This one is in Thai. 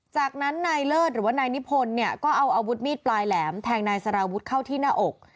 จากนั้นนายเลิศหรือว่านายนิพนธ์เนี่ยก็เอาอาวุธมีดปลายแหลมแทงนายสารวุฒิเข้าที่หน้าอก